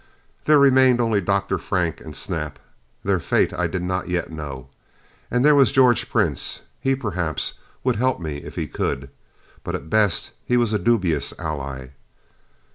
There remained only Dr. Frank and Snap. Their fate I did not yet know. And there was George Prince. He, perhaps, would help me if he could. But, at best, he was a dubious ally.